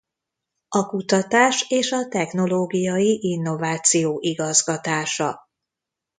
A kutatás és a technológiai innováció igazgatása.